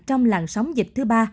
trong làn sóng dịch thứ ba